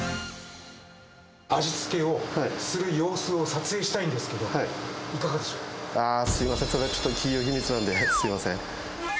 味付けをする様子を撮影したすみません、それはちょっと企業秘密なんで、すみません。